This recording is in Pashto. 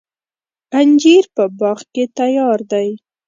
انجیر په باغ کې تیار دی.